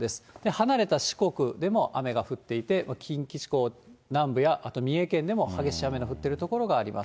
離れた四国でも雨が降っていて、近畿地方南部や、あと三重県でも激しい雨の降っている所があります。